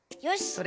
よし！